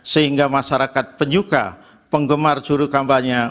sehingga masyarakat penyuka penggemar juru kampanye